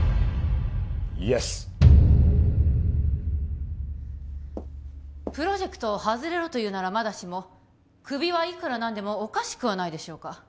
イエスプロジェクトを外れろというならまだしもクビはいくらなんでもおかしくはないでしょうか？